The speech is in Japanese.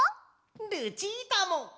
ルチータも！